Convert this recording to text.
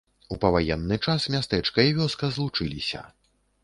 У паваенны час мястэчка і вёска злучыліся.